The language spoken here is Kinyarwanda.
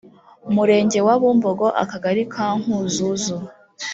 murenge wa bumbogo akagari ka nkuzuzu